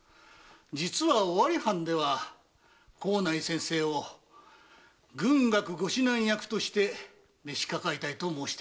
実は尾張藩では幸内先生を軍学の御指南役として召し抱えたいと申しております。